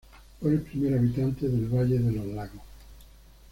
Fue el primer habitante del valle de los lagos.